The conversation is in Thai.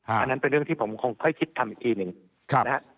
อันนั้นเป็นเรื่องที่ผมคงค่อยคิดทำอีกทีหนึ่งนะฮะ